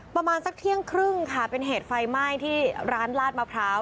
ประมาณสักเที่ยงครึ่งค่ะเป็นเหตุไฟไหม้ที่ร้านลาดมะพร้าว